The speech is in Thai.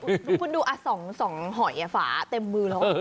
คุณดู๒หอยฝาเต็มมือแล้ว